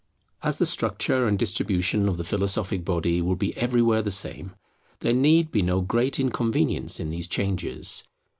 As the structure and distribution of the philosophic body will be everywhere the same, there need be no great inconvenience in these changes.